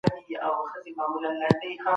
اسلام یو داسې نظام دی چي منځلاري توب خوښوي.